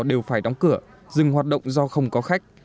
đều phải đóng cửa dừng hoạt động do không có khách